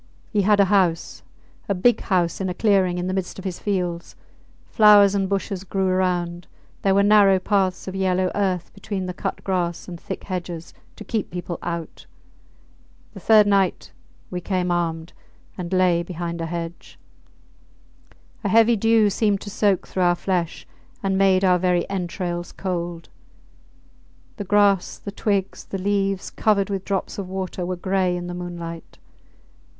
He had a house a big house in a clearing in the midst of his fields; flowers and bushes grew around; there were narrow paths of yellow earth between the cut grass, and thick hedges to keep people out. The third night we came armed, and lay behind a hedge. A heavy dew seemed to soak through our flesh and made our very entrails cold. The grass, the twigs, the leaves, covered with drops of water, were gray in the moonlight.